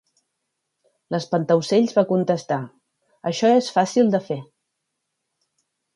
L'espantaocells va contestar "Això és fàcil de fer".